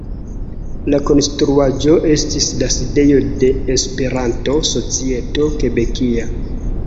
La konstruaĵo estis la sidejo de Esperanto-Societo Kebekia.